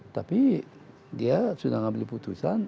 tapi dia sudah mengambil putusan